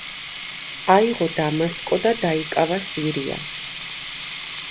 აიღო დამასკო და დაიკავა სირია.